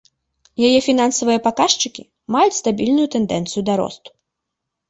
Яе фінансавыя паказчыкі маюць стабільную тэндэнцыю да росту.